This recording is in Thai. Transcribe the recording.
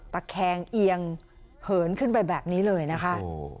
ตะแคงเอียงเหินขึ้นไปแบบนี้เลยนะคะ